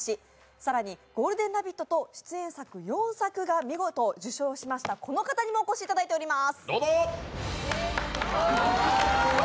更に「ゴールデンラヴィット！」と出演作４作が見事受賞しました、この方にもお越しいただいてます。